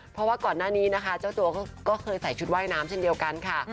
เพราะว่าก่อนหน้านี้นะคะเจ้าตัวก็เคยใส่ชุดว่ายน้ำเช่นเดียวกันค่ะ